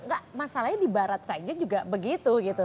gak masalahnya di barat saja juga begitu gitu